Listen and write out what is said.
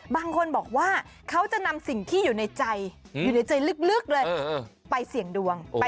บางคนบอกว่าเขาจะนำสิ่งที่อยู่ในใจอยู่ในใจลึกเลยไปเสี่ยงดวง